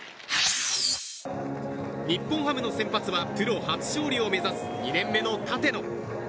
日本ハムの先発はプロ初勝利を目指す２年目の立野。